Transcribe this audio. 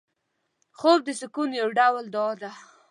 خوب د سکون یو ډول دعا ده